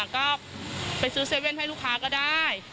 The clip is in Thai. ก็ก็ไปซื้อเซเว่นให้ลูกค้าก็ได้